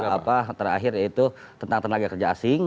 apa terakhir yaitu tentang tenaga kerja asing